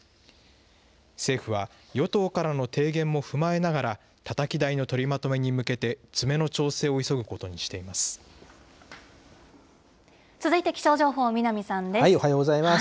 政府は、与党からの提言も踏まえながら、たたき台の取りまとめに向けて、詰めの調整を急ぐことにしていま続いて、気象情報、南さんでおはようございます。